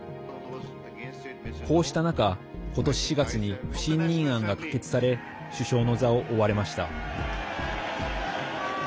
こうした中今年４月に不信任案が可決され首相の座を追われました。